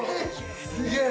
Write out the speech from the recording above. すげえ。